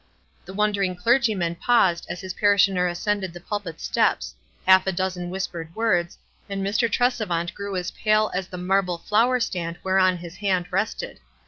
The wondering clergyman paused as his parishioner ascended the pulpit steps — half a dozen whispered words, and Mr. Trescvant grew as pale as the marble flower stand whereon his hand rested.